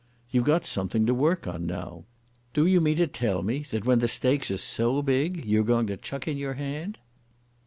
You've got something to work on now. Do you mean to tell me that, when the stakes are so big, you're going to chuck in your hand?"